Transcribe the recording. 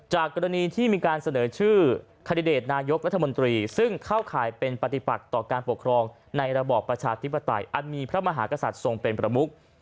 กรณีที่มีการเสนอชื่อคาดิเดตนายกรัฐมนตรีซึ่งเข้าข่ายเป็นปฏิบัติต่อการปกครองในระบอบประชาธิปไตยอันมีพระมหากษัตริย์ทรงเป็นประมุก